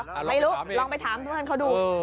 ไม่รู้ลองไปถามเพื่อนเขาดู